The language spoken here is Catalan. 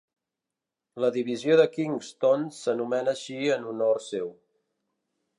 La divisió de Kingston s'anomena així en honor seu.